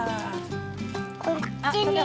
こっちにも。